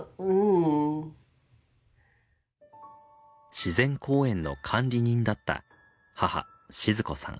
自然公園の管理人だった母静子さん。